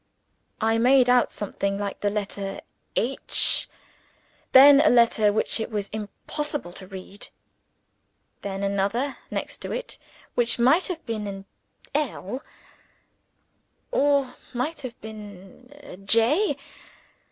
I made out something like the letter "H." Then a letter which it was impossible to read. Then another next to it, which might have been "L," or might have been "J."